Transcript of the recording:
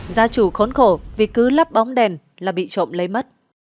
gia chủ khốn khổ vì cứ lắp bóng đèn là bị trộm lấy mất